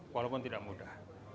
walaupun tidak mudah